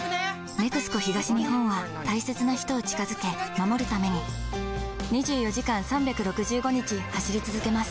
「ＮＥＸＣＯ東日本」は大切な人を近づけ守るために２４時間３６５日走り続けます